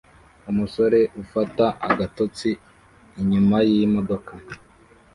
Umusore ufata agatotsi inyuma yimodoka